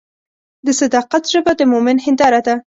د صداقت ژبه د مؤمن هنداره ده.